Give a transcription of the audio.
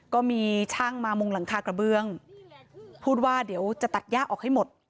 ก็มีช่างมามุงหลังคากระเบื้องพูดว่าเดี๋ยวจะตัดย่าออกให้หมด